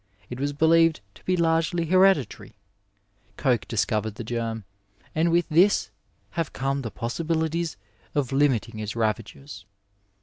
It was believed to be largely hereditary. Koch discovered the germ,' and with this have come the possibilities of limiting its ravages.